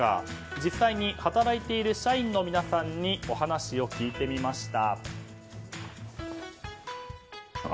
実際に働いている社員の皆さんにお話を聞いてみました。